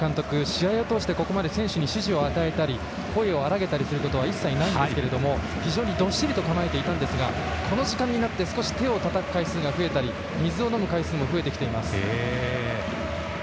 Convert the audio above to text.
試合を通してここまで選手に指示を与えたり声を荒げたりすることはなく非常にどっしりと構えていたんですがこの時間になって少し手をたたく回数が増えてきたり水を飲む回数が増えています。